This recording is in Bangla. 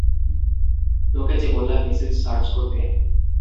তোকে যে বললাম মেসেজ সার্চ করতে।